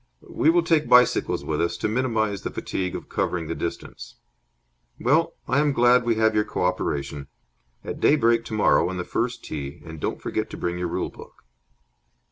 "We will take bicycles with us, to minimize the fatigue of covering the distance. Well, I am glad that we have your co operation. At daybreak tomorrow on the first tee, and don't forget to bring your rule book."